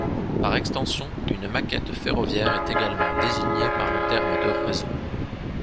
Par extension, une maquette ferroviaire est également désignée par le terme de réseau.